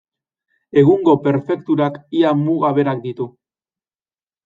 Egungo prefekturak ia muga berak ditu.